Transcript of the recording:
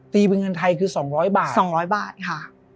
ตีเป็นเงินไทยคือ๒๐๐บาท๒๐๐บาทค่ะ